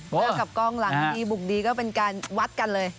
เจอกับกล้องหลังดีบุกดีก็เป็นการวัดกันเลย